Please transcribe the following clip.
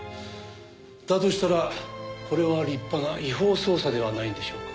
だとしたらこれは立派な違法捜査ではないんでしょうか？